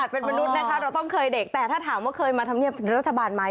เป็นมนุษย์นะคะเราต้องเคยเด็กแต่ถ้าถามว่าเคยมาธรรมเนียบถึงรัฐบาลไหม